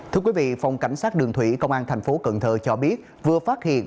thưa quý vị phòng cảnh sát đường thủy công an thành phố cần thơ cho biết vừa phát hiện